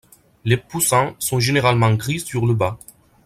Les poussins sont généralement gris sur le bas.